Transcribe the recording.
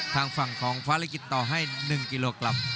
ทางฝั่งของฟ้าลิขิตต่อให้๑กิโลกรัม